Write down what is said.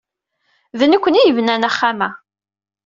D nekkni ay yebnan axxam-a.